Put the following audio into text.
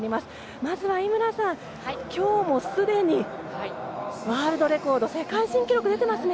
まずは井村さん、今日もすでにワールドレコード、世界新記録出ていますね。